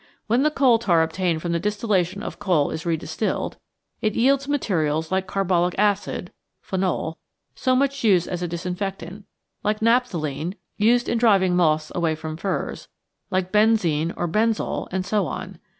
When the coal tar obtained from the distillation of coal is re distilled, it yields materials like carbolic acid (phenol), so much used as a disinfectant, like naphthalene, used in driving moths away from furs, like benzine or benzol, and so on.